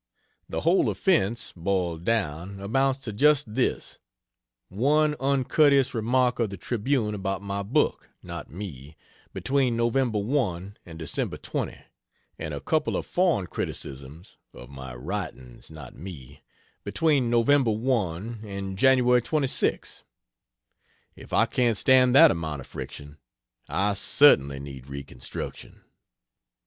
The whole offense, boiled down, amounts to just this: one uncourteous remark of the Tribune about my book not me between Nov. 1 and Dec. 20; and a couple of foreign criticisms (of my writings, not me,) between Nov. 1 and Jan. 26! If I can't stand that amount of friction, I certainly need reconstruction.